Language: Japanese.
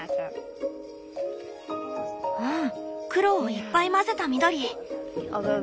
うん黒をいっぱい混ぜた緑。